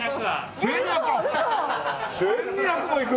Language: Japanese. １２００もいく。